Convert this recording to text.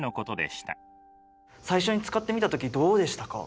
最初に使ってみた時どうでしたか？